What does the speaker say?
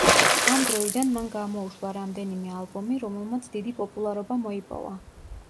ამ დროიდან მან გამოუშვა რამდენიმე ალბომი, რომელმაც დიდი პოპულარობა მოიპოვა.